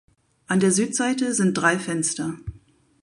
An der Südseite sind drei Fenster.